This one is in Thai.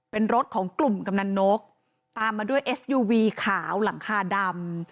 เป็นรถของกลุ่มกำนันนกตามมาด้วยเอสยูวีขาวหลังคาดำ